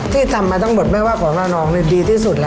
ที่ทำมาทั้งหมดไม่ว่าของระนองดีที่สุดแล้ว